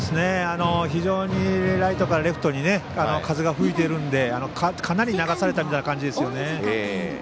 非常にライトからレフトに風が吹いているのでかなり流されたみたいな感じですよね。